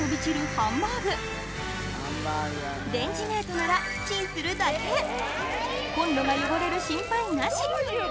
ハンバーグレンジメートならコンロが汚れる心配なし！